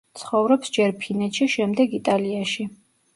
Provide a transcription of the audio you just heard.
ცხოვრობს ჯერ ფინეთში, შემდეგ იტალიაში.